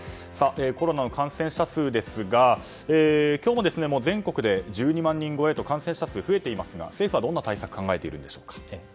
コロナの感染者数ですが今日も全国で１２万人超えと感染者数が増えていますが政府はどんな対策を考えているんでしょうか。